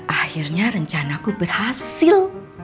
akhirnya rencanaku berhasil